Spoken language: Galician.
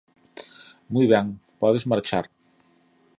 Moi ben, podes marchar.